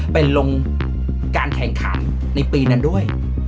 ไปลงการแข่งขันในปีนั้นด้วย